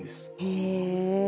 へえ。